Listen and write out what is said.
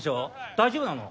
大丈夫なの？